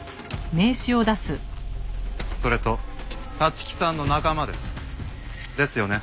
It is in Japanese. それと立木さんの仲間です。ですよね？